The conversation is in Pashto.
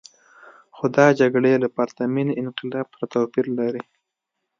خو دا جګړې له پرتمین انقلاب سره توپیر لري.